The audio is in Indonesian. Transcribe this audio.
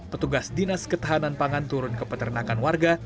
petugas dinas ketahanan pangan turun ke peternakan warga